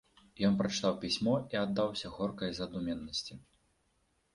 Ён прачытаў пісьмо і аддаўся горкай задуменнасці.